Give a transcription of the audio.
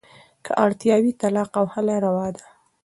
که اړتیا وي، طلاق او خلع روا دي.